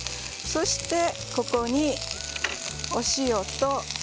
そして、ここにお塩と。